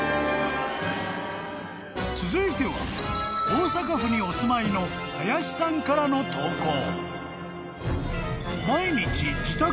［続いては大阪府にお住まいの林さんからの投稿］